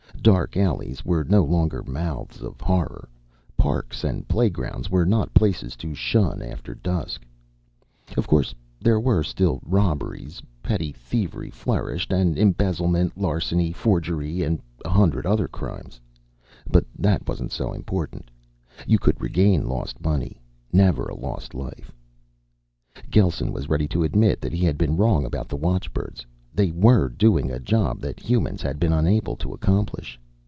Dark alleys were no longer mouths of horror. Parks and playgrounds were not places to shun after dusk. Of course, there were still robberies. Petty thievery flourished, and embezzlement, larceny, forgery and a hundred other crimes. But that wasn't so important. You could regain lost money never a lost life. Gelsen was ready to admit that he had been wrong about the watchbirds. They were doing a job that humans had been unable to accomplish.